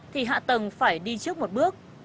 thì hạ tầng phải đi trước một bước